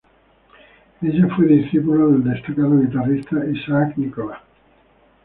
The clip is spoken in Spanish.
Ella fue discípula del destacado guitarrista Isaac Nicola.